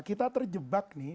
kita terjebak nih